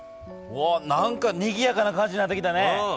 何かにぎやかな感じになってきたね。